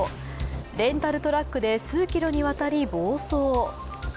レンタルトラックで数キロに渡り暴走。